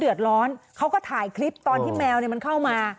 เขาเกิดร้อนเขาก็ถ่ายคลิปตอนที่แมวเข้ามา